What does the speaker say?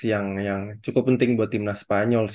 yang cukup penting buat timnas spanyol